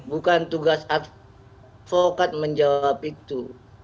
bukan tugas advokat menjawab itu